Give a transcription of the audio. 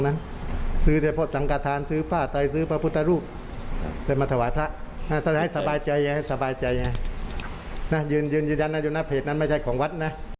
อ่าท่านก็ยืนยันว่าเหตุนั้นไม่ใช่ของวัด